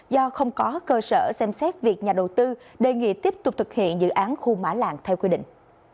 do không có cơ sở xem xét việc nhà đầu tư đề nghị tiếp tục thực hiện dự án khu mã lạng theo quy định